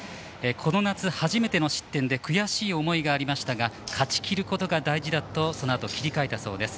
この夏、初めての失点で悔しい思いがありましたが勝ちきることが大事だとそのあと、切り替えたそうです。